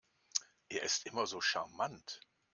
Er ist immer so charmant.